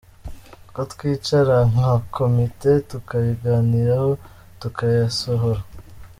ko twicara nka komite tukabiganiraho tukayasohora.